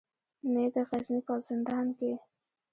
مې د غزني په زندان کې.